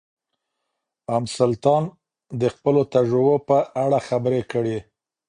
ام سلطان د خپلو تجربو په اړه خبرې کړې.